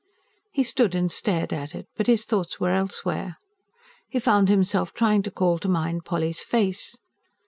He stood and stared at it; but his thoughts were elsewhere: he found himself trying to call to mind Polly's face.